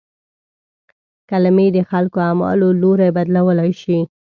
کلمې د خلکو اعمالو لوری بدلولای شي.